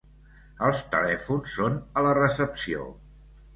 Els telèfons són a la recepció.